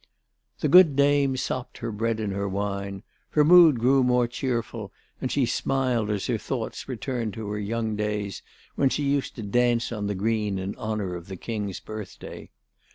The good dame sopped her bread in her wine; her mood grew more cheerful and she smiled as her thoughts returned to her young days, when she used to dance on the green in honour of the King's birthday.